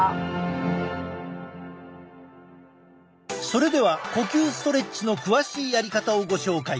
それでは呼吸ストレッチの詳しいやり方をご紹介。